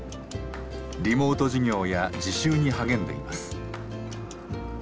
リモート授業や自習に励んでいます。